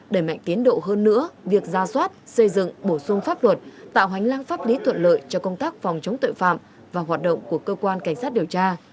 đẩy mạnh tiến độ hơn nữa việc ra soát xây dựng bổ sung pháp luật tạo hành lang pháp lý thuận lợi cho công tác phòng chống tội phạm và hoạt động của cơ quan cảnh sát điều tra